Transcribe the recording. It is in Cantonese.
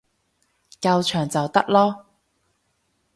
夠長就得囉